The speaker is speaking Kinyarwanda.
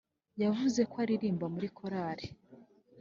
yavuze ko aririmba muri korari